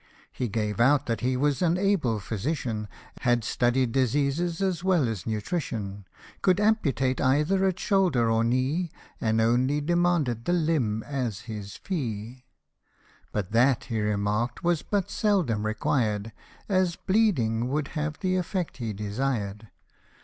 He gave out that he was an able physician j Had studied diseases as well as nutrition ; Could amputate either at shoulder or knee, And only demanded the limb as his fee ; 90 But that, he remark'd, was but seldom required, As bleeding would have the effect he desired.